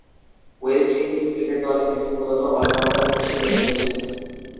West Indies cricket দলে তিনি মূলতঃ অল-রাউন্ডার হিসেবে খেলছেন।